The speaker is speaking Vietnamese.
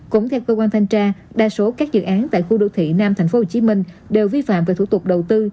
cũng theo cơ quan thanh tra đa số các dự án tại khu đô thị nam tp hcm đều vi phạm về thủ tục đầu tư